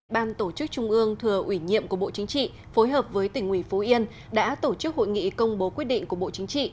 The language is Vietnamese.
ban tổ chức trung ương thừa ủy nhiệm của bộ chính trị phối hợp với tỉnh ủy phú yên đã tổ chức hội nghị công bố quyết định của bộ chính trị